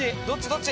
どっち？